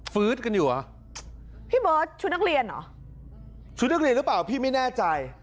ื๊ดกันอยู่เหรอพี่เบิร์ตชุดนักเรียนเหรอชุดนักเรียนหรือเปล่าพี่ไม่แน่ใจ